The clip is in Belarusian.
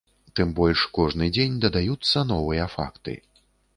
Тым больш, кожны дзень дадаюцца новыя факты.